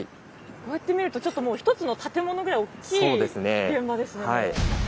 こうやって見るとちょっともう一つの建物ぐらいおっきい現場ですね。